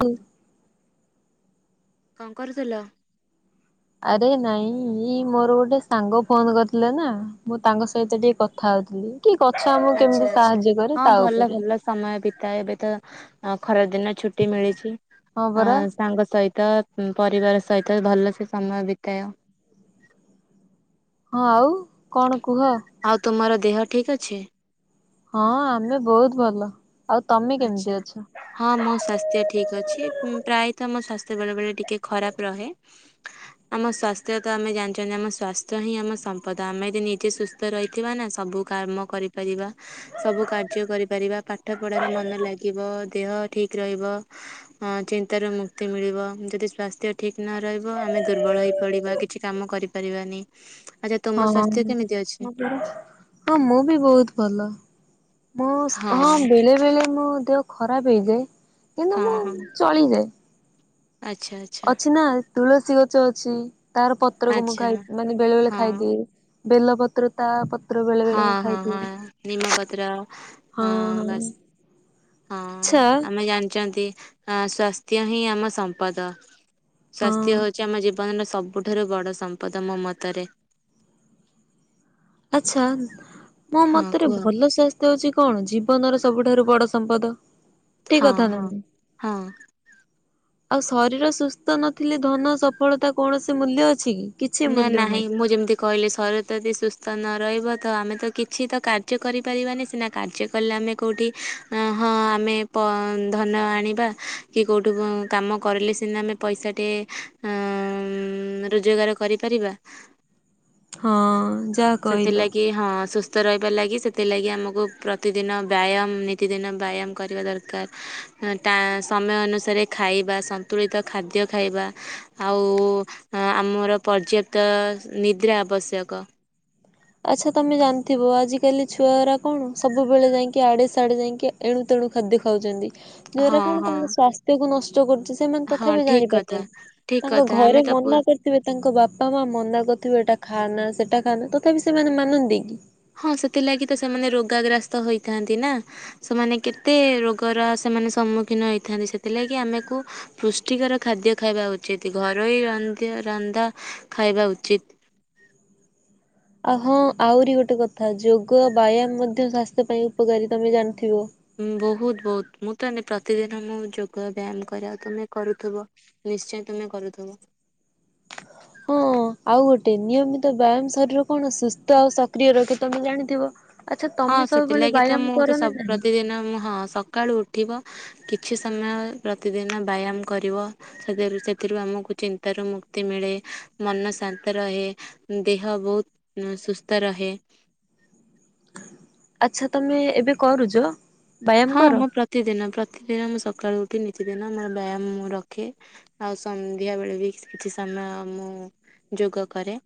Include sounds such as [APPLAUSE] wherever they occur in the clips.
କୁ କଣ କରୁଥିଲ? ଆରେ ନାଇଁ ଏଇ ମୋର ଗୋଟେ ସାଙ୍ଗ ଫୋନ କରିଥିଲେ ନା ମୁଁ ତାଙ୍କ ସହିତ ଟିକେ କଥା ହଉଥିଲି। କି କଛା ମୁଁ ଆଚ୍ଛା କେମିତି ଆଚ୍ଛା। ସାହାଯ୍ୟ କରେ ହଁ ତା ଭଲ ଉପରେ। ଭଲ ସମୟ ବିତାଏ ଏବେ ତ ଖରାଦିନେ ଛୁଟି ମିଳିଛି ହଁ ପରା ଆଁ ସାଙ୍ଗ ସହିତ ହୁଁ ପରିବାର ସହିତ ଭଲସେ ସମୟ ବିତାଅ। ହଁ ଆଉ କଣ କୁହ? ଆଉ ତୁମର ଦେହ ଠିକ ଅଛି? ହଁ ଆମେ ବହୁତ ଭଲ। ଆଉ ତମେ ଆଚ୍ଛା। କେମିତି ଅଛ? ହଁ ମୋ ସ୍ଵାସ୍ଥ୍ୟ ଠିକ ଅଛି ପ୍ରାୟତଃ ମୋ ସ୍ୱାସ୍ଥ୍ୟ ବେଳେ ବେଳେ ଟିକେ ଖରାପ ରହେ। [INAUDIBLE] ଆମ ସ୍ୱାସ୍ଥ୍ୟ ତ ଆମେ ଜାଣିଛନ୍ତି ଆମ ସ୍ୱାସ୍ଥ୍ୟ ହିଁ ଆମ ସମ୍ପଦ ଆମେ ଯଦି ନିଜେ ସୁସ୍ଥ ରହିଥିବା ନା ସବୁ କାମ କରିପାରିବା ସବୁ କାର୍ଯ୍ୟ କରିପାରିବା ପାଠପଢ଼ାରେ ମନ ଲାଗିବ। ଦେହ ଠିକ ରହିବ। ହଁ ଚିନ୍ତାରୁ ମୁକ୍ତି ମିଳିବ ଯଦି ସ୍ୱାସ୍ଥ୍ୟ ଠିକ ନ ରହିବ ଆମେ ଦୁର୍ବଳ ହେଇ ଖେଳିବା କିଛି କାମ କରିପାରିବାନି। ଆଚ୍ଛା ତୁମ ହଁ। ସ୍ୱାସ୍ଥ୍ୟ କେମିତି ଅଛି? ହଁ ମୁଁ ବି ବହୁତ ଭଲ ମୁଁ ହଁ ବେଲେବେଳେ ମୋ ଦେହ ଖରାପ ହେଇଯାଏ। କିନ୍ତୁ ହଁ ମୁଁ ହଁ ଚଳିଯାଏ ଆଚ୍ଛା ଆଚ୍ଛା ଅଛି ନା ତୁଳସୀ ଗଛ ଅଛି ତାର ପତ୍ରକୁ ମୁଁ ଆଚ୍ଛା ଖାଇ ମାନେ ବେଳେ ବେଳେ ହଁ ଖାଇଦିଏ। ବେଲପତ୍ର। ତା ପତ୍ର ବେଳେ ହଁ ବେଳେ ମୁ ହଁ ହଁ ଖାଇଦିଏ ନିମପତ୍ର ହଁ ହଁ ହଁ। ବାସ୍ ହଁ ଆମେ ଜାଣିଛନ୍ତି ସ୍ୱାସ୍ଥ୍ୟ ହିଁ ଆମ ସମ୍ପଦ। ହଁ ସ୍ୱାସ୍ଥ୍ୟ ହଉଛି ଆମ ଜୀବନର ସବୁଠାରୁ ବଡ଼ ସମ୍ପଦ ମୋ ମତରେ। ଆଛା ମୋ ହଁ ମତରେ କୁହ। ଭଲ ସ୍ୱାସ୍ଥ୍ୟ ହଉଛି କଣ ଜୀବନର ସବୁଠାରୁ ବଡ ସମ୍ପଦ ଠିକ ହଁ କଥା ହଁ। ନା ହଁ ଆଉ ଶରୀର ସୁସ୍ଥ ନଥିଲେ ଧନ ସଫଳତା କୌଣସି ମୂଲ୍ୟ ଅଛି କି। କିଛି ନା ମୂଲ୍ୟ ନାହିଁ ମୁଁ ଯେମିତି କହିଲେ ଶରୀର ଯଦି ସୁସ୍ଥ ନ ରହିବ ତ ଆମେ ତ କିଛି ତ କାର୍ଯ୍ୟ କରିପାରିବାନି ସିନା କାର୍ଯ୍ୟ କଲେ ଆମେ କୋଉଠି ହଁ ଆମେ ଧନ ଆଣିବା। କି କୋଉଠୁ କାମ କରିଲେ ସିନା ଆମେ ପଇସାଟିଏ ଉଁ ରୋଜଗାର କରିପାରିବା। ହଁ ଯା ସେଥିଲାଗି ହଁ ସୁସ୍ଥ ରହିବାର ଲାଗି ସେଥିଲାଗି ଆମକୁ ପ୍ରତିଦିନ ବ୍ୟାୟାମ ନିତିଦିନ ବ୍ୟାୟାମ କରିବା ଦରକାର। ତା ସମୟ ଅନୁସାରେ ଖାଇବା ସନ୍ତୁଳିତ ଖାଦ୍ୟ ଖାଇବା ଆଉ ଆମର ପର୍ଯ୍ୟାପ୍ତ ନିଦ୍ରା ଆବଶ୍ୟକ। ଆଚ୍ଛା ତମେ ଜାଣିଥିବ ଆଜିକାଲି ଛୁଆଗରା କଣ ସବୁବେଳେ ଯାଇକି ଆଡ଼େ ସାଡ଼େ ଯାଇକି ଏଣୁ ତେଣୁ ଖାଦ୍ୟ ଖାଉଛନ୍ତି। ହଁ ଦ୍ଵାରା କଣ ହଁ ତାଙ୍କ ସ୍ୱାସ୍ଥ୍ୟ କୁ ନଷ୍ଟ କରୁଛି ସେମାନେ ହଁ ତଥାପି ଠିକ ଜାଣି କଥା ପାରୁନାହାନ୍ତି ଠିକ ତାଙ୍କ କଥା ଆମେ ଘରେ ତ ପୁ ମନା କରି ତାଙ୍କ ବାପା ମା ମନା କରିୁଥିବେ ଏଟା ଖାନା ସେଟା ଖାନା ତଥାପି ସେମାନେ ମାନନ୍ତି କି? ହଁ ସେଥିଲାଗି ତ ସେମାନେ ରୋଗାଗ୍ରସ୍ତ ହେଇଥାନ୍ତି ନା। ସେମାନେ କେତେ ରୋଗର ସେମାନେ ସମ୍ମୁଖୀନ ହେଇଥାନ୍ତି ସେଥିଲାଗି ଆମକୁ ପୁଷ୍ଟିକର ଖାଦ୍ୟ ଖାଇବା ଉଚିତ ଘରୋଇ ରନ୍ଧ ରନ୍ଧା ଖାଇବା ଉଚିତ୍। ଆ ହଁ ଆହୁରି ଗୋଟେ କଥା ଯୋଗ ବ୍ୟାୟାମ ମଧ୍ୟ ସ୍ୱାସ୍ଥ୍ୟ ପାଇଁ ଉପକାରୀ ତମେ ଜାଣିଥିବ। ବହୁତ ବହୁତ ମୁଁ ତହେ ପ୍ରତିଦିନ ମୁଁ ଯୋଗ ବ୍ୟାୟାମ କରିବାକୁ ତମେ କରୁଥିବ। ନିଶ୍ଚୟ ତୁମେ କରୁଥିବ। ହଁ ଆଉ ଗୋଟେ ନିୟମିତ ବ୍ୟାୟାମ ଶରୀର କଣ ସୁସ୍ଥ ଆଉ ସକ୍ରିୟ ରଖେ ତମେ ଜାଣିଥିବ। ଆଚ୍ଛା ହଁ ତମେ ସବୁବେଳେ ସେଥିଲାଗି ତ ବ୍ୟାୟାମ ମୁଁ ତ କର ନା ସବୁ ନାହିଁ? ପ୍ରତିଦିନ ହଁ ସକାଳୁ ଉଠିବ। କିଛି ସମୟ ପ୍ରତିଦିନ ବ୍ୟାୟାମ କରିବ। ସେ ସେଥିରୁ ଆମକୁ ଚିନ୍ତାରୁ ମୁକ୍ତି ମିଳେ ମନ ଶାନ୍ତ ରହେ। ଦେହ ବହୁତ ସୁସ୍ଥ ରହେ। ଆଚ୍ଛା ତମେ ଏବେ କରୁଚ। ହଁ ମୁଁ ପ୍ରତିଦିନ ପ୍ରତିଦିନ ମୁଁ ସକାଳୁ ଉଠି ନିତି ଦିନ ମୋର ବ୍ୟାୟାମ ମୁଁ ରଖେ। ଆଉ ସନ୍ଧ୍ୟା ବେଳେ ବି କିସ୍ କିଛି ସମୟ ମୁଁ ଯୋଗ କରେ।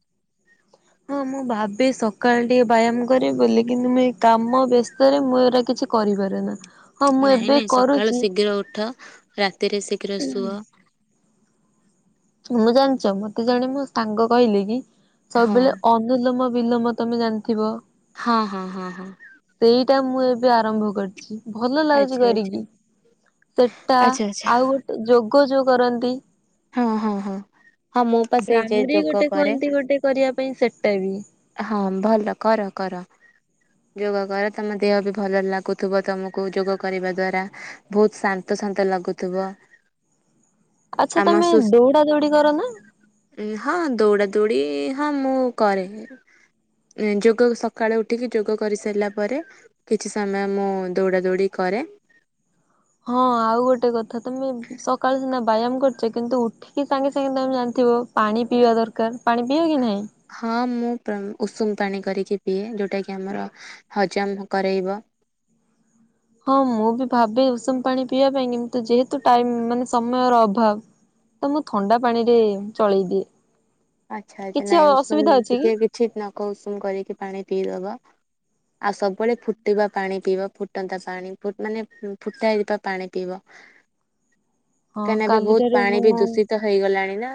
ହଁ ମୁଁ ଭାବେ ସକାଳେ ଟିକେ ବାୟାମ କରିବି ବୋଲି କିନ୍ତୁ ମୁଁ ଏଇ କାମ ବ୍ୟସ୍ତ ରେ ମୁଁ ଏଗୁରା କିଛି। କରିପାରେ ନା। ହଁ ମୁଁ ନାଇଁ ଏବେ ନାଇଁ ସକାଳୁ କରୁଛି ଶୀଘ୍ର ଉଠ ରାତିରେ ଶୀଘ୍ର ଶୁଅ। ତମେ ଜାଣିଛ ମତେ ଜଣେ ମୋ ସାଙ୍ଗ କହିଲେ କି ହଁ ସବୁବେଳେ ଅ ନିଲମ ବିଲୋମ ତମେ ଜାଣିଥିବ। ହଁ ହଁ ହଁ ହଁ। ସେଇଟା ମୁଁ ଏବେ ଆରମ୍ଭ କରିଛି। ଭଲ ଲାଗୁଛି ଆଚ୍ଛା ଆଚ୍ଛା କରିକି ସେଟା ଆଚ୍ଛା ଆଚ୍ଛା ଆଉ ଗୋଟେ। ଯୋଗ ଯୋଉ କରନ୍ତି। ହଁ ହଁ ହଁ ହଁ ମୁଁ ପା ସେଇ ଯେ ବ୍ରାମ୍ ଯୋଗ ଗୋଟେ କରେ କୁହନ୍ତି ଗୋଟେ କରିବା ପାଇଁ ସେଟା ବି। ହଁ ଭଲ କର କର। ଯୋଗ କର ତମ ଦେହ ବି ଭଲ ଲାଗୁଥିବ ତମକୁ ଯୋଗ କରିବା ଦ୍ଵାରା। ବହୁତ ଶାନ୍ତ ଶାନ୍ତ ଲାଗୁଥିବ। ଆଚ୍ଛା ତମେ ଦୌଡା ଦୌଡି କର ନା। ଉଁ ହଁ ଦୌଡା ଦୌଡି ହଁ ମୁଁ କରେ। ଏଁ ଯୋଗ ସକାଳେ ଉଠିକି ଯୋଗ କରିସାରିଲା ପରେ। କିଛି ସମୟ ମୁଁ ଦୌଡ଼ା ଦୌଡ଼ି କରେ। ହଁ ଆଉ ଗୋଟେ କଥା ତମେ ସକାଳ ସିନା ବାୟାମ କରିୁଛ କିନ୍ତୁ ଉଠ କି ସାଙ୍ଗେ ସାଙ୍ଗେ ତମେ ଜାଣିଥିବ ପାଣି ପିଇବା ଦରକାର ପାଣି ପିଅ କି ନାହିଁ। ହଁ ମୁଁ ପ୍ରମ୍ ଉଷୁମ ପାଣି କରିକି ପିଏ ଯୋଉଟା କିି ଆମର ହଜମ କରେଇବ। ହଁ ମୁଁ ବି ଭାବେ ଉଷୁମ ପାଣି ପିଇବା ପାଇଁ କିନ୍ତୁ ଯେହେତୁ ଟାଇମ୍ ମାନେ ସମୟର ଅଭାବ। ତ ମୁଁ ଥଣ୍ଡା ପାଣି ରେ ଚଳେଇଦିଏ। ଆଚ୍ଛା ଆଚ୍ଛା ନାଇଁ ଉଷୁମ ଅଛି କି? ଟିକେ କିଛି ନଖ ଉଷୁମ କରିକି ପାଣି ପିଇଦବ। ଆଉ ସବୁବେଳେ ଫୁଟିବା ପାଣି ପିଇବ ଫୁଟନ୍ତା ପାଣି ଫୁଟ ମାନେ ଫୁଟା ହେଇ ଯାଇଥିବା ପାଣି ପିଇବ। ହଁ କାଇଁ ନା ଏବେ ବହୁତ କାଲିଠାରୁ ପାଣି ମୁଁ ବି ଦୂଷିତ ହେଇ ଗଲାଣି ନା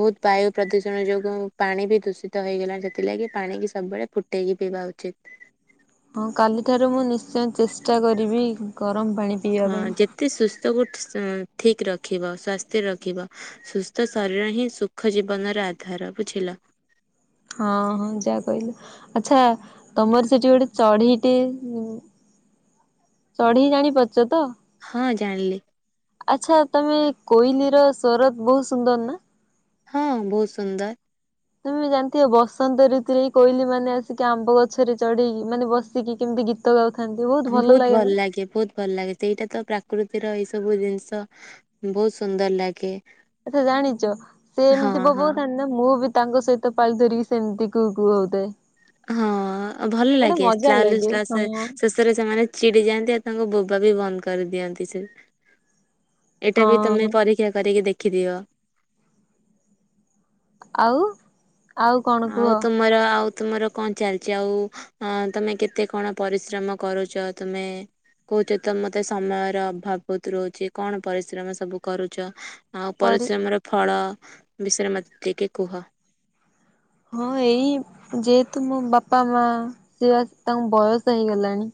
ବହୁତ୍। ବାୟୁ ପ୍ରଦୂଷଣ ଯୋଗୁଁ ପାଣି ବି ଦୂଷିତ ହେଇଗଲାଣି ସେଥିଲାଗି ପାଣିିକି ସବୁବେଳେ ଫୁଟେଇକି ପିଇବା ଉଚିତ। ଅଁ କାଲିଠାରୁ ମୁଁ ନିଶ୍ଚୟ ଚେଷ୍ଟା କରିବି ଗରମ ପାଣି। ପିଇବା ହଁ ପାଇଁ। ଯେତେ ସୁସ୍ଥ କୁ ସ୍ ଠିକ୍ ରଖିବ ସ୍ଵାସ୍ଥ୍ୟ ରଖିବ। ସୁସ୍ଥ ଶରୀର ହିଁ ସୁଖ ଜୀବନର ଆଧାର ବୁଝିଲ। ହଁ ହଁ ଯା କହିଲ। ଆଚ୍ଛା ତମର ସେଠି ଗୋଟେ ଚଢେଇଟେ ଉଁ। ଚଢେଇ ଜାଣି ପାରୁଚ ତ। ହଁ ଜାଣିଲି। ଆଚ୍ଛା ତମେ କୋଇଲି ର ସ୍ବର ବହୁତ ସୁନ୍ଦର ନା। ହଁ ବହୁତ ସୁନ୍ଦର। ତମେ ଜାଣିଥିବ ବସନ୍ତ ଋତୁରେ ହିଁ କୋଇଲି ମାନେ ଆସିକି ଆମ୍ବ ଗଛରେ ଚଢିକି ମାନେ ବସିକି କେମିତି ଗୀତ ଗୀତ ଗାଉଥାନ୍ତି ବହୁତ ଭଲ ଲାଗେ ନା। ଆଜ୍ଞା ବହୁତ୍। ଭଲ ଲାଗେ ସେଇଟା ତ ପ୍ରାକୃତିର ଏଇ ସବୁ ଜିନିଷ ବହୁତ ସୁନ୍ଦର ଲାଗେ। ଆଚ୍ଛା ଜାଣିଛ ସେ ହଁ ଏମିତି ହଁ ବୋବଉଥାନ୍ତି। ନାଇ ମୁଁ ବି ତାଙ୍କ ସହିତ ପାଳି ଧରିକି ସେମିତି କୁ କୁ ହଉଥାଏ। ହଁ ଭଲ ଗୋଟେ ଲାଗେ ମଜା ସ୍ଲା ଲେ ଲାଗେ ସ୍ଲା ହଁ ସେ ସେସ୍। ସତରେ ସେମାନେ ଚିଡି ଯାଆନ୍ତି ଆଉ ତାଙ୍କ ବୋବା ବି ବନ୍ଦ କରିଦିଅନ୍ତି ସେ। ଏଇଟା ବି ତମେ ହଁ ପରୀକ୍ଷା କରିକି ଦେଖିଦିଅ। ଆଉ ଆଉ କଣ କୁହ? ମୋର ତୁମର ଆଉ ତୁମର କଣ ଚାଲିଛି ଆଉ ଅଁ ତମେ କେତେ କଣ ପରିଶ୍ରମ କରୁଚ ତମେ? କହୁଚ ତ ମତେ ସମୟର ଅଭାବ ବହୁତ ରହୁଛି କଣ ପରିଶ୍ରମ ସବୁ କରୁଚ। ଆଉ ପରି ପରିଶ୍ରମର ଫଳ ବିଷୟରେ ମତେ ଟିକେ କୁହ? ହଁ ଏଇ ଯେହେତୁ ମୋ ବାପା ମାଁ ସେ ତାଙ୍କୁ ବୟସ ହେଇଗଲାଣି।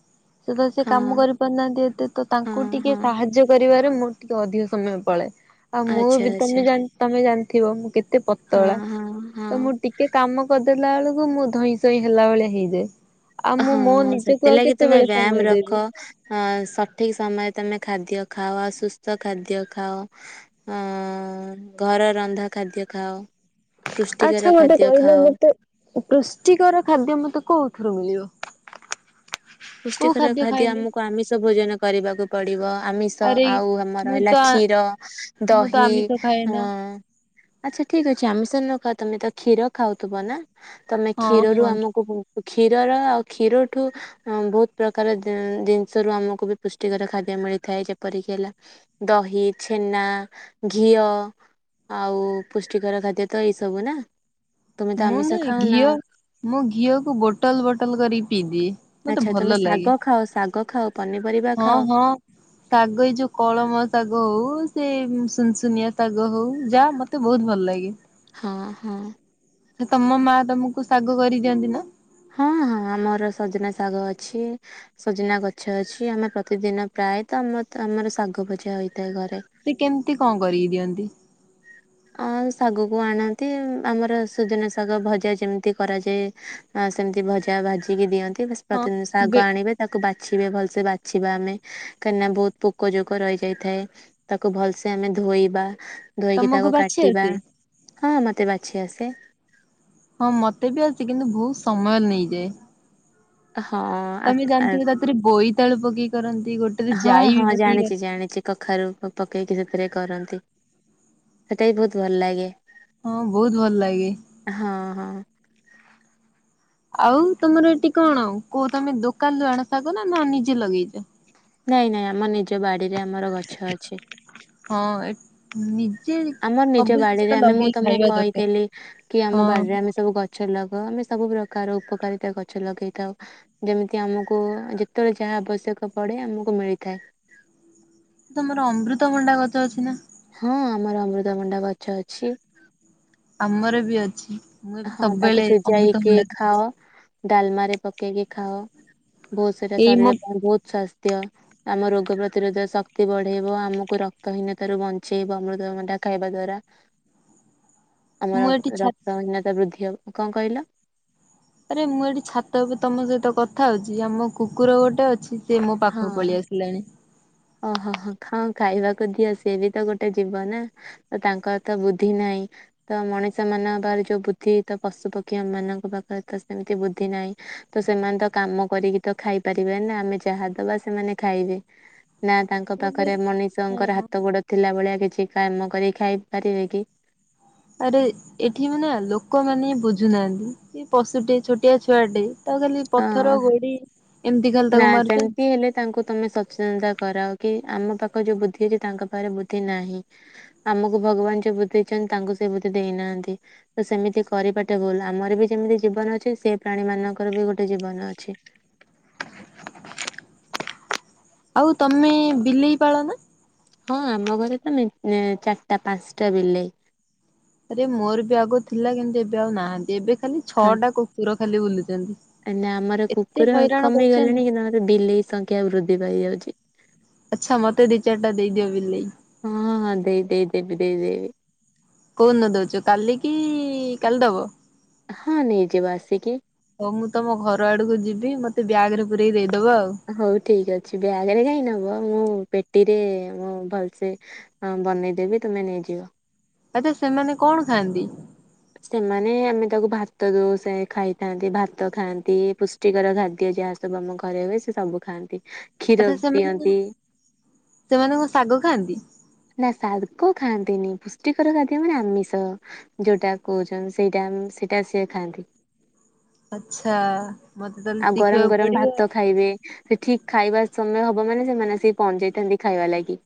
ସେତଳେ ସେ ହଁ କାମ କରିପାରୁନାହାନ୍ତି ଏତେ ତ ହଁ ତାଙ୍କୁ ଟିକେ ହଁ। ସାହାଯ୍ୟ ସାହାଯ୍ୟ କରିବାରେ ମୋର ଟିକେ ଅଧିକ ସମୟ ପଳାଏ ଆଉ ମୁଁ ଆଚ୍ଛା ବି ଆଚ୍ଛା ତମେ ଜାଣ ତମେ ଜିଣିଥିବ ମୁଁ କେତେ ପତ ହଁ ତଳା ହଁ ହଁ। ତ ମୁଁ ଟିକେ କାମ କରିଦେଲା ବେଳକୁ ମୁଁ ଧଇଁ ସଇଁ ହେଲା ଭଳିଆ ହେଇଯାଏ। ଆଉ ହଁ ମୁଁ ମୋ ନିଜକୁ ଆଉ କେତେବେଳେ ସମୟ ଦେବି। ଅଁ ସଠିକ୍ ସମୟରେ ତମେ ଖାଦ୍ୟ ଖାଅ ସୁସ୍ଥ ଖାଦ୍ୟ ଖାଅ। ଅଁ ଘର ରନ୍ଧା ଖାଦ୍ୟ ଖାଅ। ପୁଷ୍ଟିକର ଆଚ୍ଛା ମୋତେ ଖାଦ୍ୟ କହିଲ ଖାଅ ମୋତେ ପୃଷ୍ଟିକର ଖାଦ୍ୟ ମତେ କୋଉଥିରୁ ମିଳିବ? କୋଉ ପୁଷ୍ଟିକର ଖାଦ୍ୟ ଖାଇଲେ ଆମକୁ ଆମିଷ ଭୋଜନ କରିବାକୁ ପଡିବ ଆମିଷ ଷ ଆରେ ଆଉ ଆମର ମୁଁ ତ ରହିଲା କ୍ଷୀର ମୁଁ ତ ଦହି ଆମିଷ ଖାଏ ଅଁ ନା। ଆଚ୍ଛା ଠିକ ଅଛି ଆମିଷ ନ ଖାଅ ତମେ ତ କ୍ଷୀର ଖାଉଥିବ ନା ତମେ ହଁ କ୍ଷୀରରୁ ହଁ ଆମକୁ ବହୁତ କ୍ଷୀରର ଆଉ କ୍ଷୀରଠୁ ହଁ ବହୁତ ପ୍ରକାର ଦ ଦିନିଷ ରୁ ଆମକୁ ବି ପୁଷ୍ଟିକର ଖାଦ୍ୟ ମିଳିଥାଏ ଯେପରିକି ହେଲା ଦହି, ଛେନା, ଘିଅ ଆଉ ପୁଷ୍ଟିକର ଖାଦ୍ୟ ତ ଏଇ ସବୁ ନାଁ। ମୁଁ ନା ଘିଅ ମୁଁ ଘିଅକୁ ବୋଟଲ ବୋଟଲ କରିକି ପିଇଦିଏ। ମତେ ଆଚ୍ଛା ଭଲ ତମେ ଲାଗେ ଶାଗ ଖାଅ ଶାଗ ଖାଅ ପନିପରିବା ହଁ ଖାଅ। ହଁ। ଶାଗ ଏଇ ଯୋଉ କଳମ ଶାଗ ହଉ ସେ ସୁନସୁନିଆ ଶାଗ ହଉ ଯାହା ମତ ମତେ ବହୁତ ଭଲ ଲାଗେ। ହଁ ହଁ। ତମ ମା ତମକୁ ଶାଗ କରିକିଦିଅନ୍ତି ନାଁ। ହଁ ହଁ ଆମର ସଜନା ଶାଗ ଅଛି। ସଜନା ଗଛ ଅଛି ଆମେ ପ୍ରତିଦିନ ପ୍ରାୟତ ଆମ ଆମର ଶାଗ ଭଜା ହେଇଥାଏ ଘରେ। ସେ କେମିତି କଣ କରିକି ଦିଅନ୍ତି। ଆ ଶାଗକୁ ଆଣନ୍ତି ଆମର ସୁଜନା ଶାଗ ଭଜା ଯେମିତି କରାଯାଏ। ଆଉ ସେମିତି ଭଜା ଭାଜିିକି ଦିଅନ୍ତି ହଁ ପ୍ରତିଦିନ ବେ ଶାଗ ଆଣିବେ। ତାକୁ ବାଛିବେ ଭଲସେ ବାଛିବା ଆମେ କାହିଁକିନା ବହୁତ ପୋକ ଯୋକ ରହିଯାଇଥାଏ। ତାକୁ ଭଲସେ ଆମେ ଧୋଇବା। ଧୋଇକି ତମକୁ ତାକୁ ବାଛି କାଟିବା ଆସେ? ହଁ ମତେ ବାଛି ଆସେ। ହଁ ମତେ ବି ଆସି କିନ୍ତୁ ବହୁତ ସମୟ ନେଇଯାଏ। ହଁ। ଆ ତମେ ଆ ଜାଣିଥିବ ତାତିରେ ବୋଇତାଳୁ ପକେଇ କରନ୍ତି ଗୋଟେ। ହଁ ହଁ ଜାଣିଛି ଜାଣିଛି। କଖାରୁ ପକେଇକି ସେଥିରେ କରନ୍ତି ସେଇଟା ବି ବହୁତ ଭଲ ଲାଗେ। ହଁ ବହୁତ ଭଲ ଲାଗେ। ହଁ ହଁ। ଆଉ ତମର ଏଠି କଣ କୋଉ ତମେ ଦୋକାନ ରୁ ଆଣ ଶାଗ ନା ନା ନିଜେ ଲଗେଇଛ। ନାଇଁ ନାଇଁ ଆମ ନିଜ ବାଡିରେ ଆମର ଗଛ ଅଛି। ହଁ ଏ ନିଜେ ଆମର ନିଜ ସବୁ ଜିନିଷ ବାଡିରେ ଟା ଆମେ ମୁଁ ଲଗେଇି ତମକୁ ଖାଇବା ଦରକାର। କହିଥିଲି କି ଆମ ହଁ। ବଡ଼ିରେ ଆମେ ସବୁ ଗଛ ଲଗାଉ ଆମେ ସବୁ ପ୍ରକାର ଉପକାରିତା ଗଛ ଲଗେଇଥାଉ। ଯେମିତି ଆମୁକୁ ଯେତେବେଳେ ଯାହା ଆବଶ୍ୟକ ପଡ଼େ ଆମକୁ ମିଳିଥାଏ। ତମର ଅମୃତଭଣ୍ଡା ଗଛ ଅଛି ନା? ହଁ ଆମର ଅମୃତମଣ୍ଡା ଗଛ ଅଛି। ଆମର ବି ଅଛି। ଏବେ ହଁ ତାକୁ ସବୁବେଳେ ସିଜାଇକି ଅମୃତଭଣ୍ଡା ଖାଉଛି। ଖାଅ। ଡାଲମାରେ ପକେଇକି ଖାଅ ବହୁତ ସେଇଟା ଏଇ ମୋ ଶରୀର ପାଇଁ ବହୁତ ସ୍ୱାସ୍ଥ୍ୟ। ଆମ ରୋଗ ପ୍ରତିରୋଧ ଶକ୍ତି ବଢ଼େଇବ ଆମକୁ ରକ୍ତହୀନତାରୁ ବଞ୍ଚେଇବ ଅମୃଦଭଣ୍ଡା ଖାଇବା ଦ୍ଵାରା। ଆମର ମୁଁ ଏଠି ଛାତରେ ରକ୍ତହୀନତା ବୃଦ୍ଧି ହବ କଣ କହିଲ? ଆରେ ମୁଁ ଏଠି ଛାତ ଉପ ତମ ସହିତ କଥା ହଉଛି ଆମ କୁକୁର ଗୋଟେ ଅଛି ସିଏ ମୋ ପାଖକୁ ହଁ ପଲେଇଆସ ଲାଣି। ଓହୋ ହୋ ଖାଁ ଖାଇବାକୁ ଦିଅ ସିଏ ବି ତ ଗୋଟେ ଯୀବ ନା। ତାଙ୍କର ତ ବୁଦ୍ଧି ନାହିଁ। ତ ମଣିଷ ମାନଙ୍କ ପଖରେ ଯୋଉ ବୁଦ୍ଧି ତ ପଶୁପକ୍ଷୀ ମାନଙ୍କ ପାଖରେ ତ ସେମିତି ବୁଦ୍ଧି ନାହିଁ। ତ ସେମାନେ ତ କାମ କରିକି ତ ଖାଇପାରିବେ ନା ଆମେ ଯାହାଦବା ସେମାନେ ଖାଇବେ। ନା ତାଙ୍କ ପାଖରେ ମଣିଷଙ୍କର ହଁ। ହାତ ଗୋଡ଼ ଥିଲା ଭଳିଆ କିଛି କାମ କରି ଖାଇ ପାରିବେ କି? ଆରେ ଏଠି ମାନେ ଲୋକମାନେ ବୁଝୁନାହାନ୍ତି ଏ ପଶୁଟେ ଛୋଟିଆ ଛୁଆଟେ ତ ଖାଲି ପଥର ହଁ ଗୋଡ଼ି ଏମିତି ଖାଲି ନା ତାକୁ ମାରୁଛ ସେମିତି ହେଲେ ତାଙ୍କୁ ତମେ ସଚେତନତା କରାଅ କି ଆମ ପାଖରେ ଯୋଉ ବୁଦ୍ଧି ଅଛି ତାଙ୍କ ପାଖରେ ବୁଦ୍ଧି ନାହିଁ ତା ଆମକୁ ଭଗବାନ ଯୋଉ ବୁଦ୍ଧ ଦେଇଛନ୍ତି ତାଙ୍କୁ ସେ ବୁଦ୍ଧି ଦେଇନାହାନ୍ତି। ତ ସେମିତି କରିବାଟା ଭୁଲ ଆମର ବି ଯେମିତି ଜୀବନ ଅଛି ସେ ପ୍ରାଣୀ ମାନଙ୍କର ବି ଗୋଟେ ଜୀବନ ଅଛି। ଆଉ ତମେ ବିଲେଇ ପାଳ ନା? ହଁ ଆମ ଘରେ ତ ନି ଚାରଟା ପାଞ୍ଚଟା ବିଲେଇ। ଆରେ ମୋର ବି ଆଗୁ ଥିଲା କିନ୍ତୁ ଏବେ ଆଉ ନାହାନ୍ତି ଏବେ ଖାଲି ହଁ। ଛଅଟା କୁକୁର ଖାଲି ବୁଲୁଛନ୍ତି। ନା ଆମର ଏତେ କୁକୁର ହଇରାଣ କରୁଛନ୍ତି କମିଗଲେଣି କିନ୍ତୁ ଆମର ବିଲେଇ ସଂଖ୍ୟା ବୃଦ୍ଧି ପାଇଯାଉଛି। ଆଚ୍ଛା ମତେ ଦି ଚାରିଟା ଦେଇଦିଅ ବିଲେଇ। ହଁ ହଁ ଦେଇ ଦେଇ ଦେବି ଦେଇ ଦେବି। କୋଉ ଦିନ ଦଉଛୁ କାଲି କି କାଲି ଦବ? ହଁ ନିଯେ ବାସିକି ହଉ ମୁଁ ତମ ଘର ଆଡ଼କୁ ଯିବି ମତେ ବ୍ୟାଗ୍ ରେ ପୁରାଇକି ଦେଇଦବ ଆଉ। ହଉ ଠିକ୍ ଅଛି ବ୍ୟାଗରେ କାହିଁ ନବ ମୁଁ ପେଟିରେ ମୁଁ ଭଲସେ ହଁ ବନେଇଦେବି ତମେ ନେଇଯିବ। ଆଚ୍ଛା ସେମାନେ କଣ ଖାଆନ୍ତି? ସେମାନେ ଆମେ ତାକୁ ଭାତ ଦୋଉ ସେ ଖାଇଥାନ୍ତି ଭାତ ଖାଆନ୍ତି ପୁସ ଷ୍ଟିକର ଖାଦ୍ୟ ଯାହା ସବୁ ଆମ ଘରେ ହୁଏ ସେ ସବୁ ଖାଆନ୍ତି ଆଚ୍ଛା କ୍ଷୀର ସେମାନେ ପିଅନ୍ତି ସେମାନେ କଣ ଶାଗ ଖାଆନ୍ତି? ନା ସାଗ ଖାଆନ୍ତିନି ପୁଷ୍ଟିକର ଖାଦ୍ୟ ମାନେ ଆମିଷ ଯୋଉଟା କହୁଛନ୍ତି ସେଇଟା ସେଇଟା ସିଏ ଖାଆନ୍ତି। ଆଚ୍ଛା ମତେ ତାହେଲେ ଆଉ ଗରମ ଶିଖିବାକୁ ଗରମ ପଡ଼ିବ ଭାତ ଖାଇବେ ସେ ଠିକ୍ ଖାଇବା ସମୟ ହବ ମାନେ ସେମାନେ ଆସିକି ପହଞ୍ଚି ଯାଇଥାନ୍ତି ଖାଇବା ଲାଗି।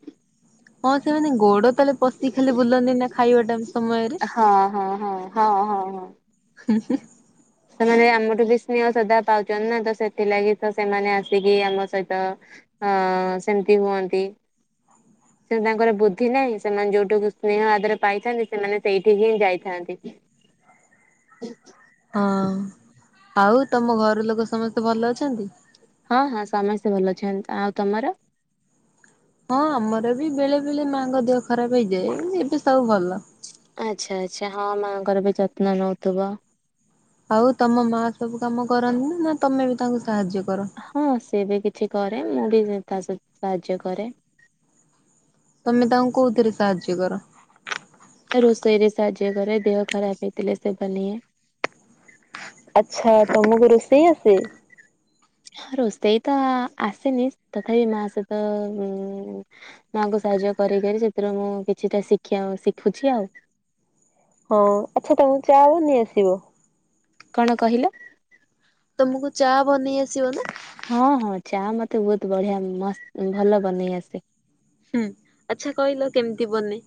ହଁ ସେମାନେ ଗୋଡ଼ ତାହେଲେ ପଶି ଖାଲି ବୁଲନ୍ତି ନା ଖାଇବା ଟାମ୍ ସମୟରେ ହଁ ହଁ ହଁ ହଁ ହଁ ହଁ ହୁଁ ହୁଁ। ସେମାନେ ଆମଠୁ ବି ସ୍ନେହ ଶ୍ରଦ୍ଧା ପାଉଛନ୍ତି ନା ତ ସେଥିଲାଗି ତ ସେମାନେ ଆସିକି ଆମ ସହିତ ହ ସେମିତି ହୁଅନ୍ତି। କିନ୍ତୁ ତାଙ୍କର ବୁଦ୍ଧି ନାହିଁ ସେମାନେ ଯୋଉଠୁକୁ ସ୍ନେହ ଆଦର ପାଇଥାନ୍ତି ସେମାନେ ସେଇଠିକି ହିଁ ଯାଇଥାନ୍ତି। ହୁଁ। ହଁ ଆଉ ତମ ଘର ଲୋକ ସମସ୍ତେ ଭଲ ଅଛନ୍ତି? ହଁ ହଁ ସମସ୍ତେ ଭଲ ଅଛନ୍ତି। ଆଉ ତମର? ହଁ ଆମର ବି ବେଳେ ବେଳେ ମାଆଙ୍କ ଦେହ ଖରାପ ହେଇଯାଏ ଏବେ ସବୁ ଭଲ। ଆଚ୍ଛା ଆଚ୍ଛା ହଁ ମାଆଙ୍କର ବି ଯତ୍ନ ନଉଥିବ। ଆଉ ତମ ମା ସବୁ କାମ କରନ୍ତି ନା ନା ତମେ ବି ତାଙ୍କୁ ସାହାଯ୍ୟ କର? ହଁ ସିଏ ବି କିଛି କରେ ମୁଁ ବି ତା ସହିତ ସାହାଯ୍ୟ କରେ। ତମେ ତାଙ୍କୁ କୋଉଥିରେ ସାହାଯ୍ୟ କର? ରୋଷେଇରେ ସାହାଯ୍ୟ କରେ ଦେହ ଖରାପ ହେଇଥିଲେ ସେବା ନିଏ। ଆଚ୍ଛା ତମକୁ ରୋଷେଇ ଆସେ? ରୋଷେଇ ତ ଆସେନି ତଥାପି ମା ସହିତ ମାଙ୍କୁ ସାହାଯ୍ୟ କରିକରି ସେଥିରୁ ମୁଁ କିଛିଟା ଶ ଶିଖୁଛି ଆଉ ଓ ଆଚ୍ଛା ତମକୁ ଚା ବନେଇ ଆସିବ? କଣ କହିଲ? ତମକୁ ଚା ବନେଇ ଆସିବ ନା? ହଁ ହଁ ଚା ମତେ ବହୁତ ବଢିଆ ମସ୍ତ୍ ଭଲ ବନେଇ ଆସେ। ଆଚ୍ଛା କହିଲ କେମିତି ବନେ?